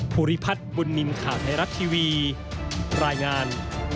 ภูริพัฒน์บุญนินทร์ข่าวไทยรัฐทีวีรายงาน